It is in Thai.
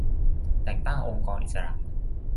-แต่งตั้งองค์กรอิสระ